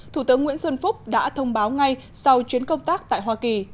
thủ tướng nguyễn xuân phúc đã thông báo ngay sau chuyến công tác tại hoa kỳ